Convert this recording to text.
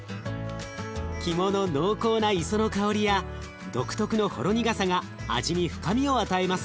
肝の濃厚な磯の香りや独特のほろ苦さが味に深みを与えます。